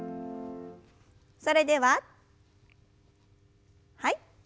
それでははい。